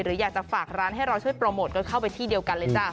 หรืออยากจะฝากร้านให้เราช่วยโปรโมทก็เข้าไปที่เดียวกันเลยจ้ะ